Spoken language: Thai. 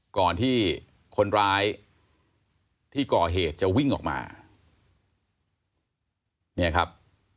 ก่อนที่คนร้ายที่ก่อเหตุจะวิ่งออกมาเนี่ยครับ